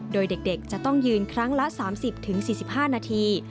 โดยเด็กจะต้องยืนครั้งละ๓๐๔๕นาที